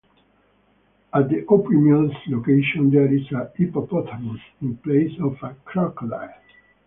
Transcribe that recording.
At the Opry Mills location, there is a hippopotamus in place of a crocodile.